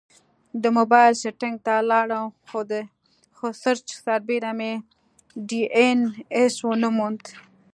د مبایل سیټینګ ته لاړم، خو سرچ سربیره مې ډي این ایس ونه موند